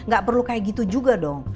gak perlu kayak gitu juga dong